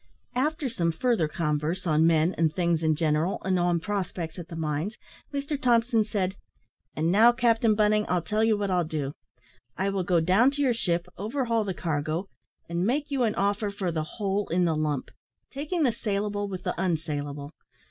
After some further converse on men and things in general, and on prospects at the mines, Mr Thompson said, "And now, Captain Bunting, I'll tell you what I'll do. I will go down to your ship, overhaul the cargo, and make you an offer for the whole in the lump, taking the saleable with the unsaleable.